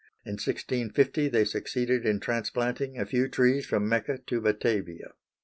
In 1650 they succeeded in transplanting a few trees from Mecca to Batavia.